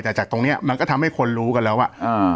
แต่จากตรงเนี้ยมันก็ทำให้คนรู้กันแล้วว่าอ่า